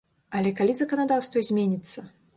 Але калі заканадаўства зменіцца?